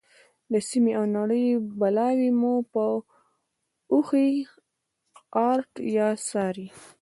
د سیمې او نړۍ بلاوې مو په اوښیártیا څاري.